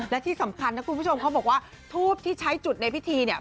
และที่สำคัญนะคุณผู้ชมเขาบอกว่าทูบที่ใช้จุดในพิธีเนี่ย